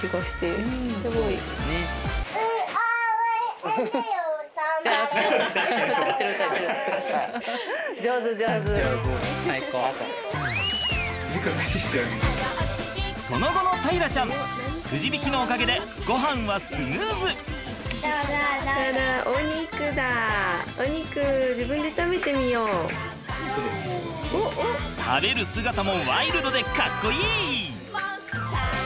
食べる姿もワイルドでかっこいい！